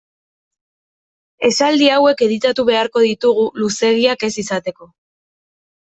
Esaldi hauek editatu beharko ditugu luzeegiak ez izateko.